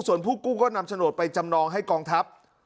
ส่วนผู้กู้ก็นำโฉนดไปจำนองให้กองทัพ